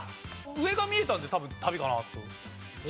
上が見えたんで多分「旅」かなと。